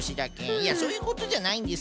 いやそういうことじゃないんです。